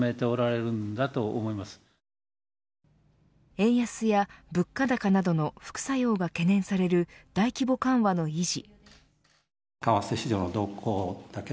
円安や物価高などの副作用が懸念される大規模緩和の維持。